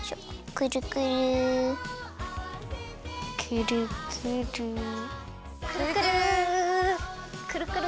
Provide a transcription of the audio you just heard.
くるくるくるくるくるくるくるくる。